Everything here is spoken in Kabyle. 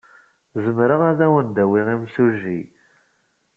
Zemreɣ ad awen-d-awiɣ imsujji.